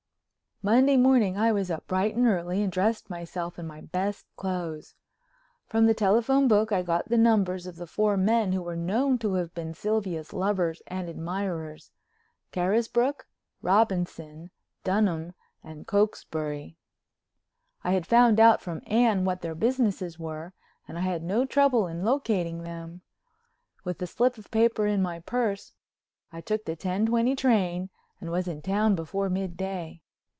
Monday morning I was up bright and early and dressed myself in my best clothes. From the telephone book I got the numbers of the four men who were known to have been Sylvia's lovers and admirers—Carisbrook, Robinson, Dunham and Cokesbury. I had found out from Anne what their businesses were and I had no trouble in locating them. With the slip of paper in my purse I took the ten twenty train and was in town before midday.